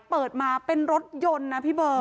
เปิดมาเป็นรถยนต์นะพี่เบิร์